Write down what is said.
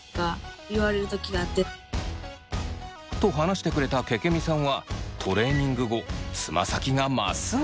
と話してくれたけけみさんはトレーニング後つま先がまっすぐに。